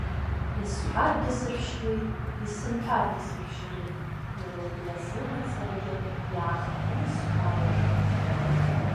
Исҳәаргьы сышәшьуеит, исымҳәаргьы сышәшьуеит, иара убри азы мацарагьы иаахтны исҳәароуп.